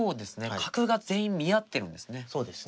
角が全員見合ってるんですね。